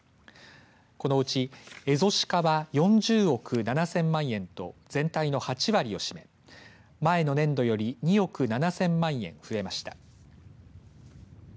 このうちエゾシカは４０億７０００万円と全体の８割を占め前の年度より２億７０００万円増えました。